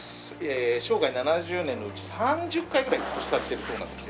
生涯７０年のうち３０回ぐらい引っ越しされてるそうなんですよ。